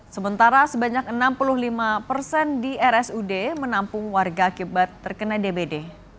sementara sebanyak enam puluh lima persen di rsud menampung warga akibat terkena dbd